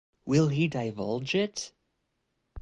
Will he divulge it?